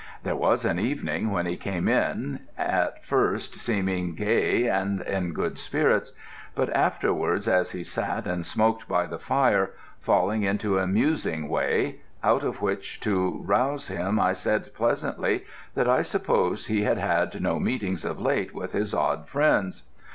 There was an evening when he came in, at first seeming gay and in good spirits, but afterwards as he sat and smoked by the fire falling into a musing way; out of which to rouse him I said pleasantly that I supposed he had had no meetings of late with his odd friends.